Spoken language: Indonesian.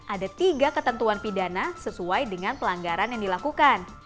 ada tiga ketentuan pidana sesuai dengan pelanggaran yang dilakukan